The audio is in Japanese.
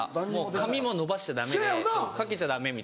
髪も伸ばしちゃダメでかけちゃダメみたいな。